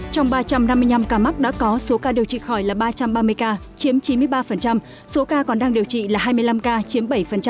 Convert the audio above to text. trong ba trăm năm mươi năm ca mắc đã có số ca điều trị khỏi là ba trăm ba mươi ca chiếm chín mươi ba số ca còn đang điều trị là hai mươi năm ca chiếm bảy